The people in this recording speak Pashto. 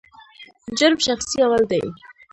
جرم شخصي عمل دی.